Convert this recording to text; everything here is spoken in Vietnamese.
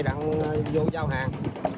đang vô giao hàng